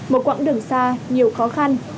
một quãng đường xa nhiều khó khăn